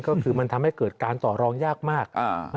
ก็คือมันทำให้เกิดการต่อรองยากมาก